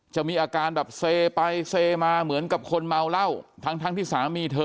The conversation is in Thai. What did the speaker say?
จะมีอาการแบบเซไปเซมาเหมือนกับคนเมาเหล้าทั้งทั้งที่สามีเธอ